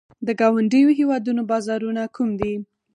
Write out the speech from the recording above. د ګاونډیو هیوادونو بازارونه کوم دي؟